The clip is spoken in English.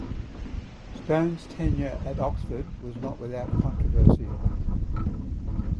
Stone's tenure at Oxford was not without controversy.